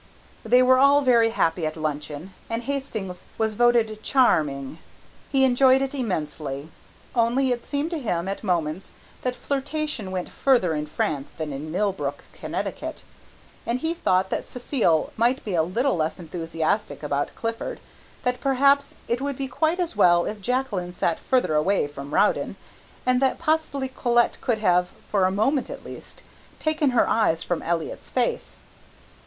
They were all very happy at luncheon, and Hastings was voted "charming." He enjoyed it immensely, only it seemed to him at moments that flirtation went further in France than in Millbrook, Connecticut, and he thought that Cécile might be a little less enthusiastic about Clifford, that perhaps it would be quite as well if Jacqueline sat further away from Rowden, and that possibly Colette could have, for a moment at least, taken her eyes from Elliott's face.